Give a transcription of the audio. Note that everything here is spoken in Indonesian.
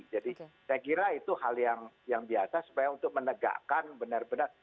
jadi saya kira itu hal yang biasa supaya untuk menegakkan benar benar